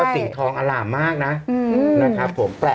โอเคโอเคโอเค